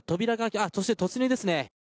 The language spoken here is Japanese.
そして突入ですね。